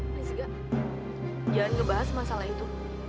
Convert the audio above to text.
prinsipnya jangan ngebahas masalah itu